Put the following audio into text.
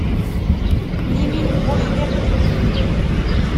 Limin n wuḥdiq, deg wul.